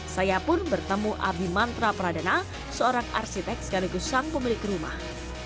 saya pun bertemu abimantra pradana seorang arsitek sekaligus sang pemilik rumah